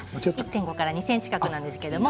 １．５から２ｃｍ角なんですけれども。